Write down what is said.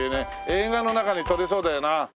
映画の中で撮りそうだよな。